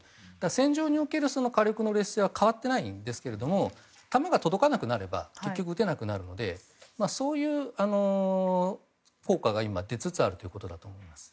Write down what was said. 戦場における火力の劣勢は変わっていないんですけれども弾が届かなくなれば撃てなくなるのでそういう効果が今、出つつあるということだと思います。